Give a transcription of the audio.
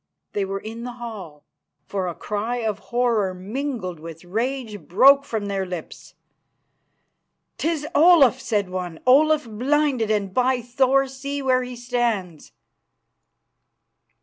They were in the hall, for a cry of horror, mingled with rage, broke from their lips. "'Tis Olaf," said one, "Olaf blinded, and, by Thor, see where he stands!"